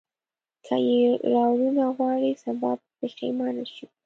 که یې راونه غواړې سبا به پښېمانه شې.